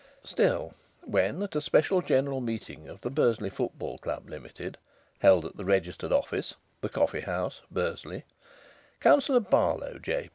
Still, when at a special general meeting of the Bursley Football Club, Limited, held at the registered office, the Coffee House, Bursley, Councillor Barlow, J.